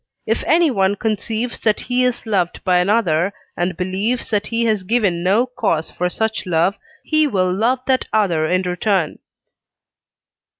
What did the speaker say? If anyone conceives that he is loved by another, and believes that he has given no cause for such love, he will love that other in return.